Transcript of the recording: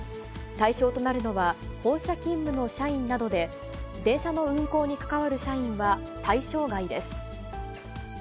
対象となるのは、本社勤務の社員などで、電車の運行に関わる社員は対象外です。